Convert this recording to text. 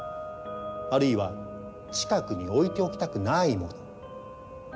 あるいは近くに置いておきたくないもの。